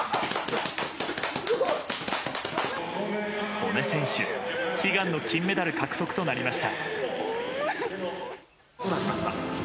素根選手、悲願の金メダル獲得となりました。